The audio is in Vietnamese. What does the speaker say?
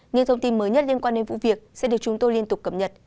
những thông tin mới nhất liên quan đến vụ việc sẽ được chúng tôi liên tục cập nhật